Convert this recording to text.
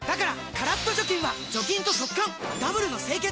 カラッと除菌は除菌と速乾ダブルの清潔！